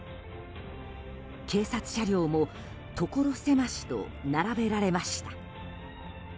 警察車両もところ狭しと並べられました。